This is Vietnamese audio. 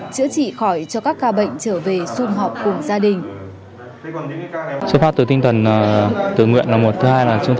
chữa trị khỏi cho các ca bệnh trở về xung họp cùng gia đình